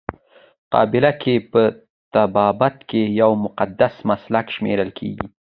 قابله ګي په طبابت کې یو مقدس مسلک شمیرل کیږي.